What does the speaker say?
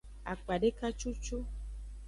Akpadeka cucu.